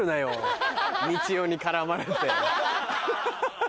みちおに絡まれて。